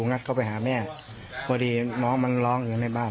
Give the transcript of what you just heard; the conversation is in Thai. งัดเข้าไปหาแม่พอดีน้องมันร้องอยู่ในบ้าน